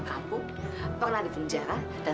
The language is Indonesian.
kenal kenal dia